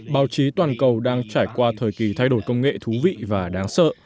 báo chí toàn cầu đang trải qua thời kỳ thay đổi công nghệ thú vị và đáng sợ